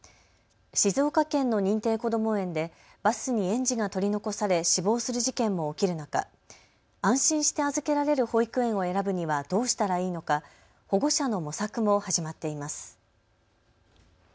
静岡県の認定こども園でバスに園児が取り残され死亡する事件も起きる中、安心して預けられる保育園を選ぶにはどうしたらいいのか保護者の模索も始まっています。